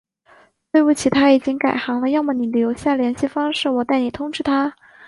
对不起，他已经改行了，要么你留下联系方式，我代你通知他。